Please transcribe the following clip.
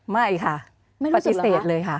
ไม่ค่ะปฏิเสธเลยค่ะ